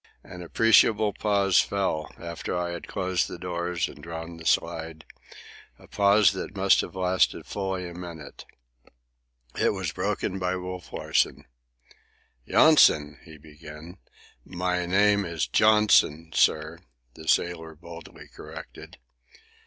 An appreciable pause fell after I had closed the doors and drawn the slide, a pause that must have lasted fully a minute. It was broken by Wolf Larsen. "Yonson," he began. "My name is Johnson, sir," the sailor boldly corrected.